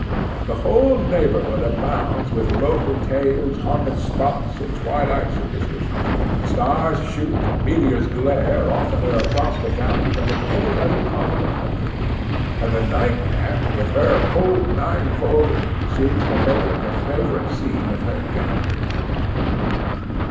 The whole neighborhood abounds with local tales, haunted spots, and twilight superstitions; stars shoot and meteors glare oftener across the valley than in any other part of the country, and the nightmare, with her whole ninefold, seems to make it the favorite scene of her gambols.